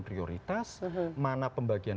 prioritas mana pembagian